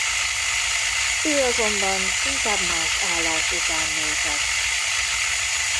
Ő azonban inkább más állás után nézett.